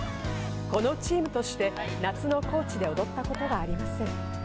このチームとして夏の高知で踊ったことがありません。